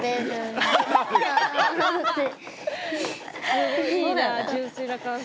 すごいいいなあ純粋な感想。